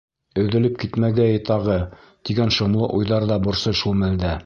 Өҙөлөп китмәгәйе тағы тигән шомло уйҙар ҙа борсой шул мәлдә.